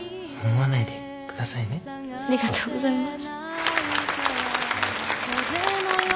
ありがとうございます。